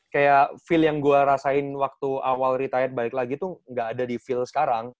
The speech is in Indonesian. kayak feel yang gue rasain waktu awal retayat baik lagi tuh gak ada di feel sekarang